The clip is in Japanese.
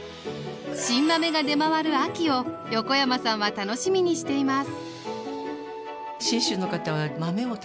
新豆が出回る秋を横山さんは楽しみにしています